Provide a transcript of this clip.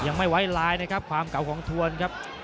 ยังไม่ไว้ลายนะครับความเก่าของทวนครับ